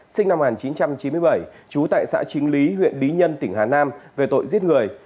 sinh năm một nghìn chín trăm chín mươi bảy trú tại xã chính lý huyện lý nhân tỉnh hà nam về tội giết người